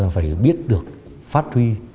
phải biết được phát huy